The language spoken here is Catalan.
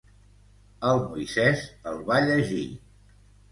El Moisés el va llegir.